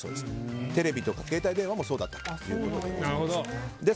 テレビとか携帯電話もそうだということです。